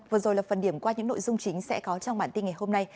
vừa rồi là phần điểm qua những nội dung chính sẽ có trong bản tin ngày hôm nay